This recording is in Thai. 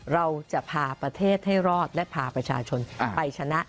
เราจะพาประเทศให้รอดและพาประชาชนไปชนะ